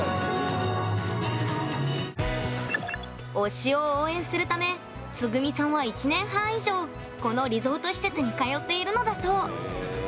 推しを応援するためつぐみさんは１年半以上このリゾート施設に通っているのだそう。